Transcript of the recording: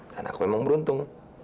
dan aku emang beruntung